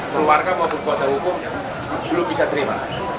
keluarga maupun kuasa hukum belum bisa terima